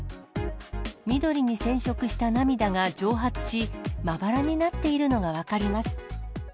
緑に染色した涙が蒸発し、まばらになっているのが分かります。